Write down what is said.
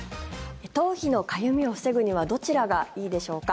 頭皮のかゆみを防ぐにはどちらがいいでしょうか？